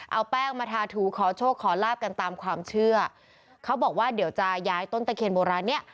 เอาแป้งมาทาถูขอโชคขอลาบกันตามความเชื่อเขาบอกว่าเดี๋ยวจะย้ายต้นตะเคียนโบราณเนี้ย